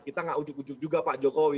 kita nggak ujug ujug juga pak jokowi